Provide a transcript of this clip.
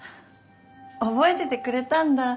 覚えててくれたんだ。